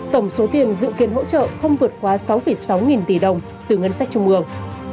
tổng số tiền dự kiến hỗ trợ không vượt quá sáu sáu nghìn tỷ đồng từ ngân sách trung ương